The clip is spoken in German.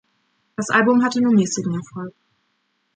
Das Album hatte nur mäßigen Erfolg.